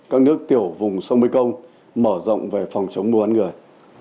các nước tiểu vùng sông mây công mở rộng về phòng chống mùa bán người